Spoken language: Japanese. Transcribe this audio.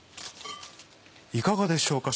いかがでしょうか？